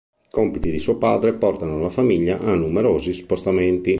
I compiti di suo padre portano la famiglia a numerosi spostamenti.